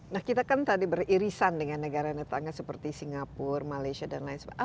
nah kita kan tadi beririsan dengan negara tetangga seperti singapura malaysia dan lain sebagainya